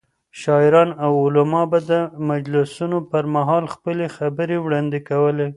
شاعران او علما به د مجلسونو پر مهال خپلې خبرې وړاندې کولې.